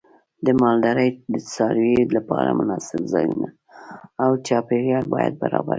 د مالدارۍ د څارویو لپاره مناسب ځایونه او چاپیریال باید برابر شي.